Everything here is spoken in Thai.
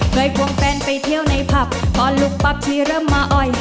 ควงแฟนไปเที่ยวในผับตอนลุกปั๊บทีเริ่มมาอ่อย